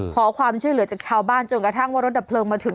ขอความช่วยเหลือจากชาวบ้านจนกระทั่งว่ารถดับเพลิงมาถึง